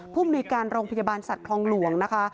มนุยการโรงพยาบาลสัตว์คลองหลวงนะคะ